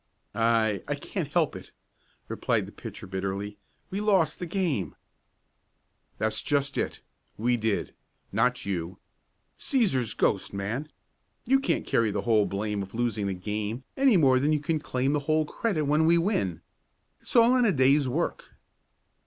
"I I can't help it," replied the pitcher, bitterly. "We lost the game." "That's just it we did not you. Cæsar's ghost, man! You can't carry the whole blame of losing the game, any more than you can claim the whole credit when we win. It's all in the day's work."